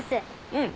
うん。